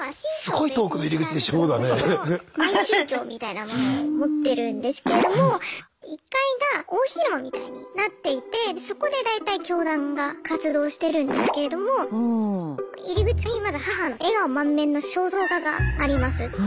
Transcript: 独自のマイ宗教みたいなものを持ってるんですけれども１階が大広間みたいになっていてそこで大体教団が活動してるんですけれども入り口にまず母の笑顔満面の肖像画があります。